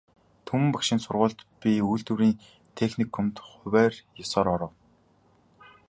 Түмэн багшийн сургуульд, би үйлдвэрийн техникумд хувиар ёсоор оров.